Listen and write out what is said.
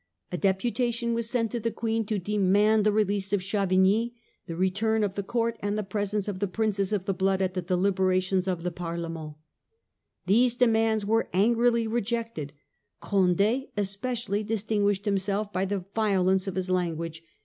A deputation was sent to the Queen to demand the release of Chavigni, the return of the court, and the presence of the Princes of the blood at the deliberations of the Parlement These demands were angrily rejected, Conde especially distinguishing himself by the violence of his language.